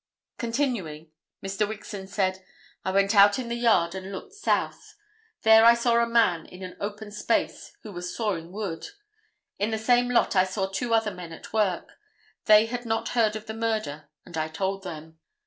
Continuing, Mr. Wixon said, "I went out in the yard and looked south. There I saw a man in an open space, who was sawing wood. In the same lot I saw two other men at work. They had not heard of the murder and I told them."